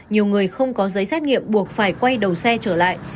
nhiều người không có giấy xét nghiệm buộc phải quay đầu xe trở lại